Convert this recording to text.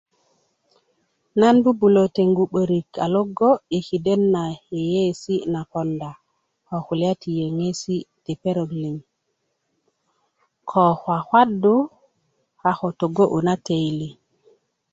Nan bubulö tengu börik a logo yi kiden na yeyesi na ponda ko kulya ti yöŋesi ti perok liŋ ko kwakwadu a ko togo'yu na töyili